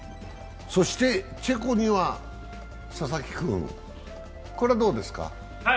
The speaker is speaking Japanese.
チェコには佐々木君これはどうですか？